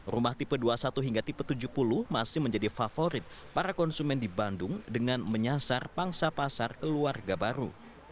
rumah tipe dua puluh satu hingga tipe tujuh puluh masih menjadi favorit para konsumen di bandung dengan menyasar pangsa pasar keluarga baru